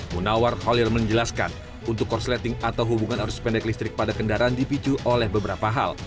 munawar khalil menjelaskan untuk korsleting atau hubungan arus pendek listrik pada kendaraan dipicu oleh beberapa hal